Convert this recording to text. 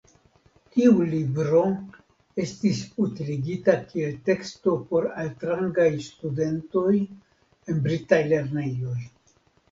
Tiu libro estis utiligita kiel teksto por altrangaj studentoj en britaj lernejoj.